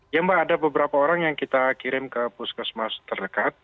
ya mbak ada beberapa orang yang kita kirim ke puskesmas terdekat